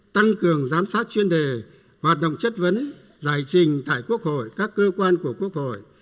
tăng cường giám sát chuyên đề hoạt động chất vấn giải trình tại quốc hội các cơ quan của quốc hội